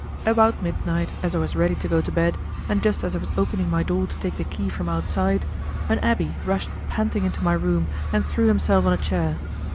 About midnight, as I was ready to go to bed, and just as I was opening my door to take the key from outside, an abbé rushed panting into my room and threw himself on a chair.